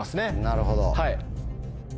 なるほど。